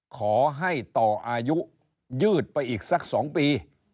ขอให้ต่ออายุยืดไปอีกสัก๒ปี